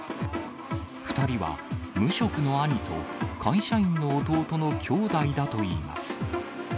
２人は無職の兄と、会社員の弟の兄弟だといいます。